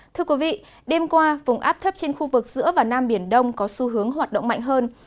thưa quý vị đêm qua vùng áp thấp trên khu vực giữa và nam biển đông có xu hướng hoạt động mạnh hơn